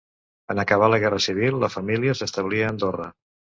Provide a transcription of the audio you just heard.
En acabar la Guerra Civil la família s’establí a Andorra.